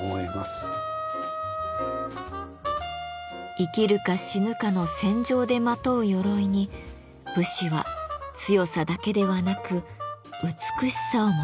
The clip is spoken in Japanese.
生きるか死ぬかの戦場でまとう鎧に武士は強さだけではなく美しさを求めました。